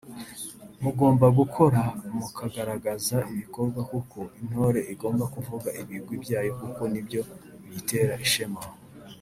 mugomba gukora mukagaragaza ibikorwa kuko intore igomba kuvuga ibigwi byayo kuko ni byo biyitera ishema